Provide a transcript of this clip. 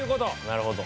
なるほど。